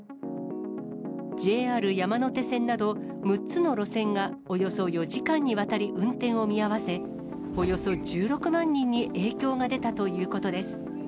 ＪＲ山手線など６つの路線がおよそ４時間にわたり運転を見合わせ、およそ１６万人に影響が出たということです。